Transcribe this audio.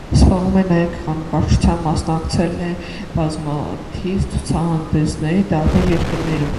Զբաղվում է նաև գեղանկարչությամբ, մասնակցել է բազմաթիվ ցուցահանդեսների տարբեր երկրներում։